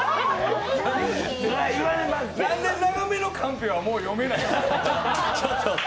なんで、長めのカンペはもう読めないの？